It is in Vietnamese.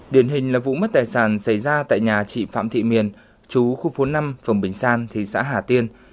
điển hình là vụ mất tài sản xảy ra tại nhà chị phạm thị miền chú khu phố năm phường bình san thị xã hà tiên